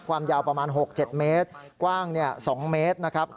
ความยาวประมาณ๖๗เมตรกว้าง๒เมตรนะครับ